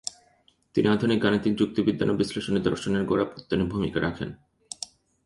তিনি আধুনিক গাণিতিক যুক্তিবিজ্ঞান ও বিশ্লেষণী দর্শনের গোড়াপত্তনে ভূমিকা রাখেন।